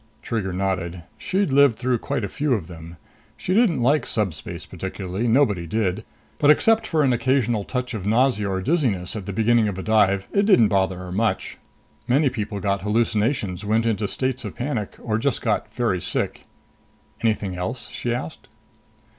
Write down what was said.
Trigger nodded. She'd lived through quite a few of them. She didn't like subspace particularly nobody did but except for an occasional touch of nausea or dizziness at the beginning of a dive, it didn't bother her much. Many people got hallucinations, went into states of panic or just got very sick. "Anything else?" she asked.